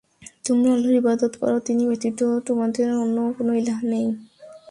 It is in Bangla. তোমরা আল্লাহর ইবাদত কর, তিনি ব্যতীত তোমাদের অন্য কোন ইলাহ্ নেই।